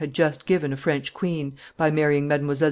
had just given a French queen, by marrying Mdlle.